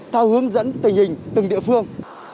theo hướng dẫn tình hình từng địa phương